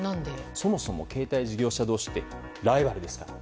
そもそも、携帯事業者同士ってライバルですから。